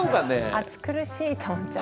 暑苦しいと思っちゃう。